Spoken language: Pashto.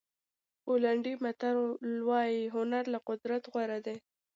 پولنډي متل وایي هنر له قدرت غوره دی.